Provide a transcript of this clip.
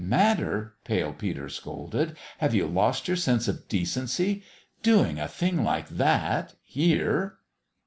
" Matter?" Pale Peter scolded. " Have you lost your sense of decency ? Doing a thing like that here